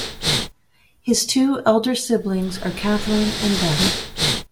His two elder siblings are Kathryn and Beth.